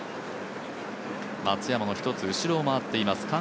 松山の一つ後を回っています